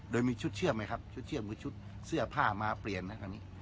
โดยมีชุดเชื่อไหมครับชุดเชื่อหรือชุดเสื้อผ้ามาเปลี่ยนนะคราวนี้